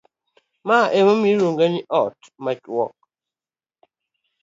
mae emomiyo iluonge ni ote machuok